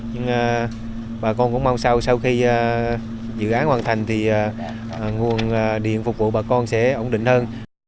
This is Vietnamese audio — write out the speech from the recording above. nhưng bà con cũng mong sau sau khi dự án hoàn thành thì nguồn điện phục vụ bà con sẽ ổn định hơn